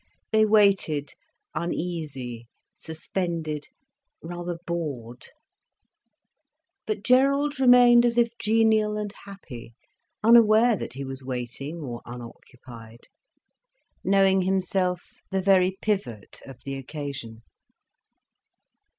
They waited, uneasy, suspended, rather bored. But Gerald remained as if genial and happy, unaware that he was waiting or unoccupied, knowing himself the very pivot of the occasion.